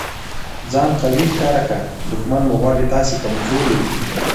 ځان قوي ښکاره که! دوښمن مو غواړي تاسي کمزوري وویني.